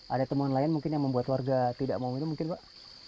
ada temuan lain mungkin yang membuat warga tidak mau minum mungkin pak